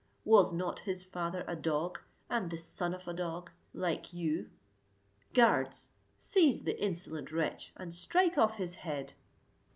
Was not his father a dog, and the son of a dog, like you? Guards, seize the insolent wretch, and strike off his head."